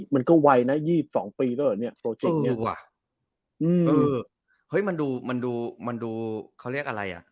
มันก็ไวนะ๒๒ปีก็เหรอเนี่ยโปรเจคเนี่ย